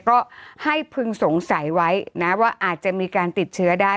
ก็ให้พึงสงสัยไว้นะว่าอาจจะมีการติดเชื้อได้